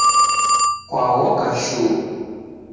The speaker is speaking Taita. Kwaghoka shuu